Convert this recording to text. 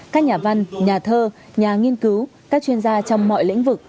các nhà văn nhà thơ nhà nghiên cứu các chuyên gia trong mọi lĩnh vực